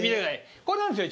これなんですよ